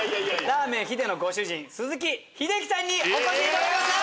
ラーメン「秀」のご主人鈴木秀樹さんにお越しいただきました。